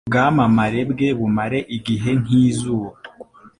ubwamamare bwe bumare igihe nk’izuba